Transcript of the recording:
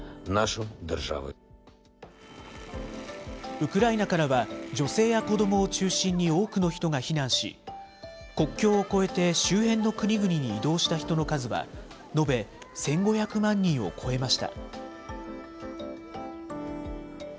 ウクライナからは、女性や子どもを中心に多くの人が避難し、国境を越えて周辺の国々に移動した人の数は、延べ１５００万人を超えました。